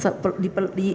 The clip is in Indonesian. cuma ya oh ya di